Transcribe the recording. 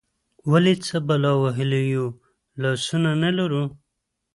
ولې، څه بلا وهلي یو، لاسونه نه لرو؟